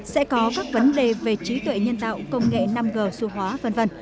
sẽ có các vấn đề về trí tuệ nhân tạo công nghệ năm g su hóa v v